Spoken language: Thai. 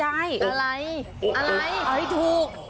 เฮ้ยถูก